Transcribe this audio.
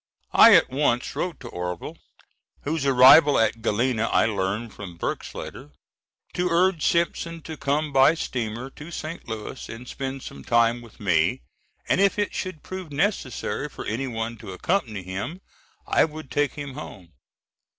I at once wrote to Orvil, whose arrival at Galena I learned from Burk's letter, to urge Simpson to come by steamer to St. Louis and spend some time with me, and if it should prove necessary for anyone to accompany him, I would take him home.